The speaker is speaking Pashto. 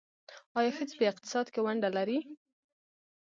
آیا ښځې په اقتصاد کې ونډه لري؟